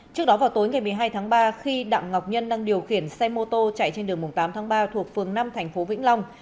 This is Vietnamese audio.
trước đó vào tối ngày một mươi hai tháng ba khi đặng ngọc nhân đang điều khiển xe mô tô chạy trên đường tám tháng ba thuộc phường năm thành phố vĩnh long